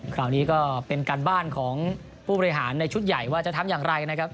คราวนี้ก็เป็นการบ้านของผู้บริหารในชุดใหญ่ว่าจะทำอย่างไรนะครับ